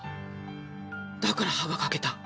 だから歯が欠けた。